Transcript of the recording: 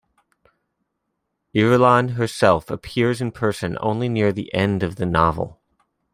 Irulan herself appears in person only near the end of the novel.